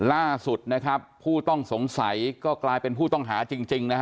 ล่าสุดนะครับผู้ต้องสงสัยก็กลายเป็นผู้ต้องหาจริงนะฮะ